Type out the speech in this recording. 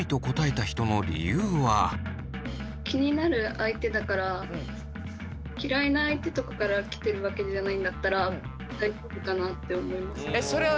一方嫌いな相手とかから来てるわけじゃないんだったら大丈夫かなって思いました。